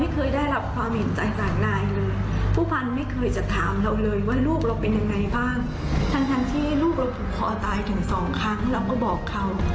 ทั้งที่ลูกเราถูกพอตายถึงสองครั้งเราก็บอกเขา